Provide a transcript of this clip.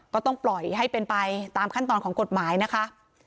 ก็ต้องปล่อยให้เป็นไปตามขั้นตอนของกฎหมายนะคะ